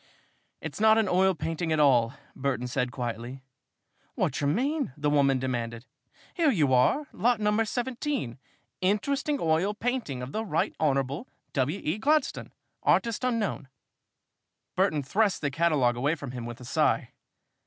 "It is not an oil painting at all," Burton said quietly. "Wot yer mean?" the woman demanded. "Here you are lot number 17 'Interesting oil painting of the Right Honorable W. E. Gladstone, artist unknown.'" Burton thrust the catalogue away from him with a sigh.